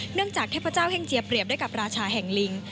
จากเทพเจ้าแห่งเจียเปรียบด้วยกับราชาแห่งลิง